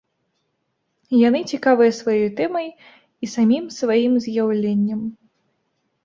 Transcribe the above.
Яны цікавыя сваёй тэмай і самім сваім з'яўленнем.